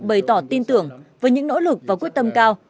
bày tỏ tin tưởng với những nỗ lực và quyết tâm cao